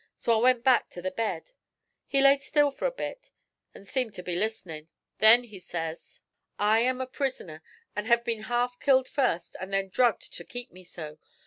So I went back to the bed. He laid still for a bit, and seemed listenin'; then he says: '"I am a prisoner, and have been half killed first, an' then drugged to keep me so.